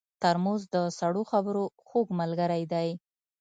ترموز د سړو خبرو خوږ ملګری دی.